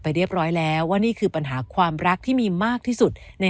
เรียบร้อยแล้วว่านี่คือปัญหาความรักที่มีมากที่สุดใน